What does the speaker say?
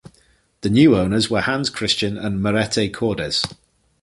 The new owners were Hans Christian and Merete Cordes.